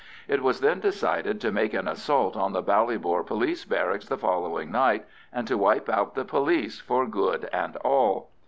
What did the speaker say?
It was then decided to make an assault on the Ballybor police barracks the following night, and to wipe out the police for good and all.